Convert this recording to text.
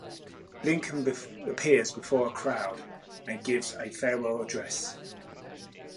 Lincoln appears before a crowd and gives a farewell address.